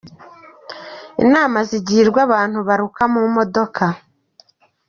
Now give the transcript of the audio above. Inama zigirwa abantu baruka mu modoka.